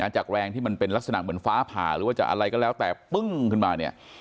จากแรงที่มันเป็นลักษณะเหมือนฟ้าผ่าหรือว่าจะอะไรก็แล้วแต่ปึ้งขึ้นมาเนี่ย